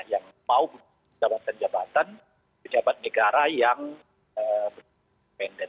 yang mau pejabatan pejabatan pejabat negara yang independen